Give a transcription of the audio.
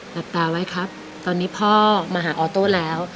หลับตาไว้ครับตอนนี้พ่อมาหาออโต้แล้ว